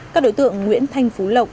các đối tượng nguyễn thanh phú lộc